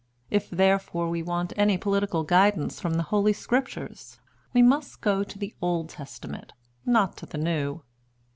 If therefore we want any political guidance from the Holy Scriptures, we must go to the Old Testament, not to the New.